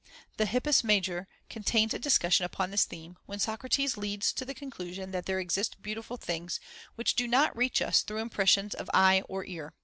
The Hippias major contains a discussion upon this theme, which Socrates leads to the conclusion that there exist beautiful things, which do not reach us through impressions of eye or ear.